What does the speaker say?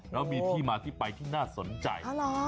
แล้วมีที่มาที่ไปที่น่าสนใจ